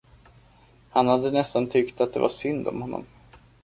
Han hade nästan tyckt att det var synd om honom.